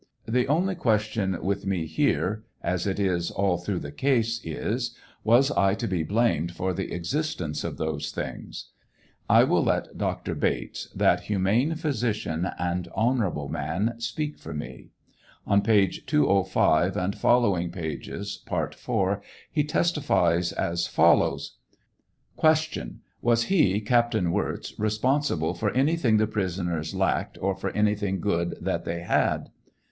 The only question with me here, as it is all through the case, is, was I to be blamed for the existence of those things ?' I will let Dr. Bates, that humane physician and honorable man, speak for me. On page 205 and following pages, part 4, he testifies as follows : Q. Was he (Captain Wirz) responsible for anything the prisoners lacliied, or for anything good that they had?